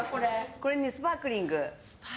これスパークリング。